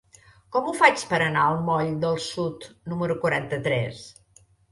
Com ho faig per anar al moll del Sud número quaranta-tres?